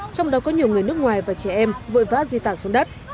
trong đó có nhiều người nước ngoài và trẻ em vội vã di tản xuống đất